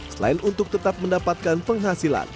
selain untuk tetap mendapatkan penghasilan